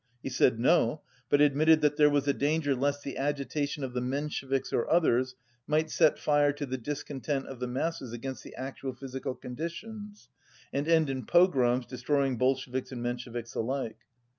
He said "No," but admitted that there was a danger lest the agitation of the Mensheviks or others might set fire to the discontent of the masses against the actual physi cal conditions, and end in pogroms destroying Bol sheviks and Mensheviks alike.